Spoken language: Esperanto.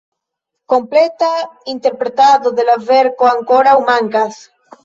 Kompleta interpretado de la verko ankoraŭ mankas!